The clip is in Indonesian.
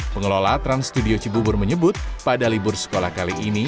pengelola trans studio cibubur menyebut pada libur sekolah kali ini